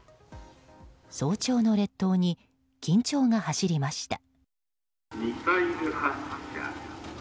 早朝の列島に緊張が走りました。